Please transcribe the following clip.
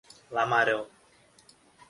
Lamarão